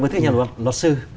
với thưa nhà luật sư